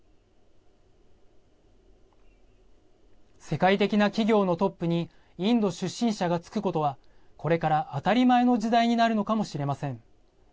世界的な企業のトップにインド出身者が就くことはこれから当たり前の時代になるのかもしれません。